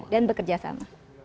dan bekerja sama